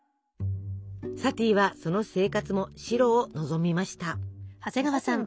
サティはその生活も「白」を望みました。